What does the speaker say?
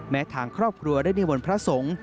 ทางครอบครัวได้นิมนต์พระสงฆ์